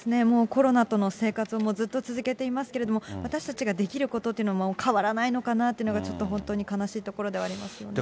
コロナとの生活もずっと続けていますけれども、私たちができることっていうのも変わらないのかなっていうのが、ちょっと本当に悲しいところではありますよね。